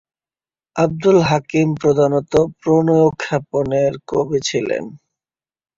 আবদুল হাকিম প্রধানত প্রণয়োপাখ্যানের কবি ছিলেন।